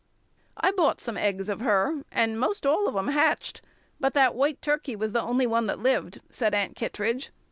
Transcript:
"I bought some eggs of her, and 'most all of 'em hatched, but that white turkey was the only one that lived," said Aunt Kittredge.